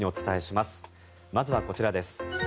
まずはこちらです。